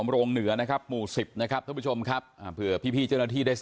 เรื่องนมหน่อยอะไรแบบนี้